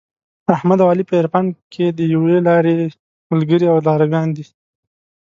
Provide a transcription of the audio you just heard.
احمد او علي په عرفان کې د یوې لارې ملګري او لارویان دي.